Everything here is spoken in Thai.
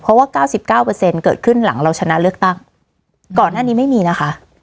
เพราะว่าเก้าสิบเก้าเปอร์เซ็นต์เกิดขึ้นหลังเราชนะเลือกตั้งก่อนหน้านี้ไม่มีนะคะ